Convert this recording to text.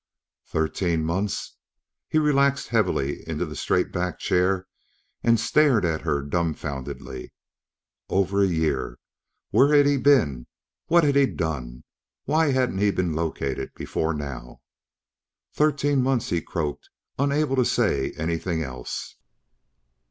Thirteen months! He relaxed heavily in the straight backed chair and stared at her dumbfoundedly. Over a year! Where had he been? What had he done? Why hadn't he been located before now? "Thirteen months," he croaked, unable to say anything else.